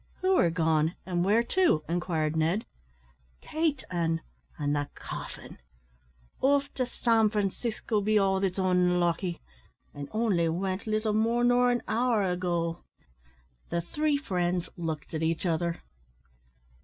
"Who are gone, and where to!" inquired Ned. "Kate an' an' the caffin. Off to San Francisco, be all that's onlucky; an' only wint little more nor an hour ago." The three friends looked at each other.